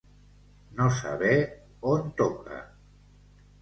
No saber on toca.